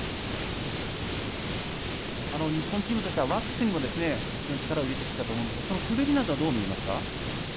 日本チームとしてはワックスにも非常に力を入れてきたと思うんですがその滑りなどはどう見えますか？